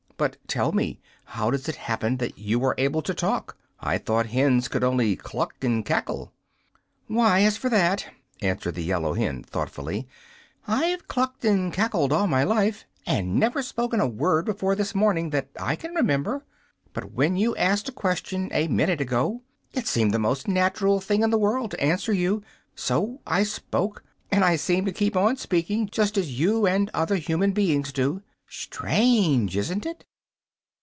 "But, tell me; how does it happen that you are able to talk? I thought hens could only cluck and cackle." "Why, as for that," answered the yellow hen thoughtfully, "I've clucked and cackled all my life, and never spoken a word before this morning, that I can remember. But when you asked a question, a minute ago, it seemed the most natural thing in the world to answer you. So I spoke, and I seem to keep on speaking, just as you and other human beings do. Strange, isn't it?"